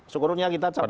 sekurangnya kita capres